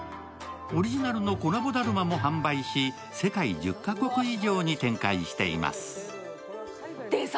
オリジナルのコラボだるまも販売し、世界１０か国以上に展開しています。